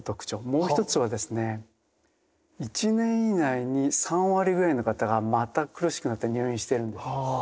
もう一つはですね１年以内に３割ぐらいの方がまた苦しくなって入院してるんです。